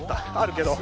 けど